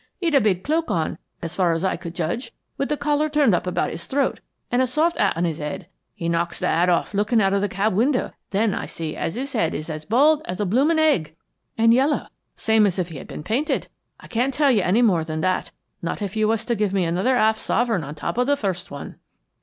He'd a big cloak on, as far as I could judge, with the collar turned up about his throat, and a soft hat on his head. He knocks the hat off looking out of the cab window, then I see as 'is head was bald like a bloomin' egg, and yellow, same as if he had been painted. I can't tell you any more than that, not if you was to give me another 'alf sovereign on the top of the first one."